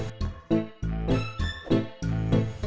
emangnya udah berubah